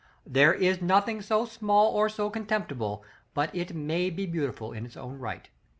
There is nothing so small or so contemptible, but it may be beautiful in its own right.